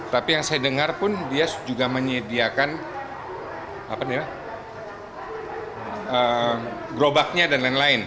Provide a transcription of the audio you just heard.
tapi yang saya dengar pun dia juga menyediakan gerobaknya dan lain lain